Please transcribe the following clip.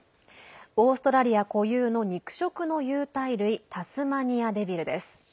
オーストラリア固有の肉食の有袋類タスマニアデビルです。